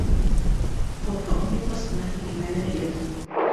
Ҡорһағым тулғас ҡына, Һикемә менеп ятам.